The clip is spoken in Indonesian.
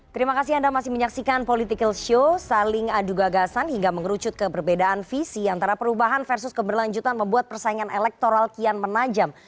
terima kasih anda masih menyaksikan political show saling adu gagasan hingga mengerucut keberbedaan visi antara perubahan versus keberlanjutan membuat persaingan elektoral kian menajam